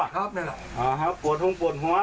อ่ะครับปวดหัวหัวรักษาอาการยังไงหายก็เศร้า